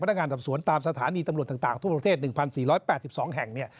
พนักงานดำสวนตามสถานีตำรวจต่างทุกประเทศ๑๔๘๒แห่ง